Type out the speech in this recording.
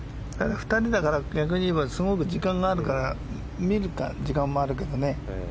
２人だから逆に言えばすごく時間があるから見る時間もあるけどね。